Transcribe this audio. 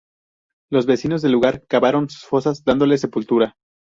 Los vecinos del lugar cavaron sus fosas dándoles sepultura.